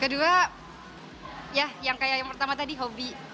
kedua ya yang kayak yang pertama tadi hobi